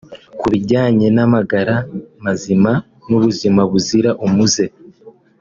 Ku bijyanye n’amagara mazima n’ubuzima buzira umuze